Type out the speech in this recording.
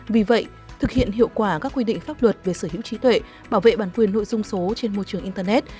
vì vậy thực hiện hiệu quả các quy định pháp luật về sở hữu trí tuệ bảo vệ bản quyền nội dung số trên môi trường internet